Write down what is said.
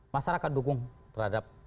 masyarakat dukung terhadap